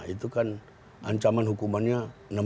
itu kan ancaman hukumannya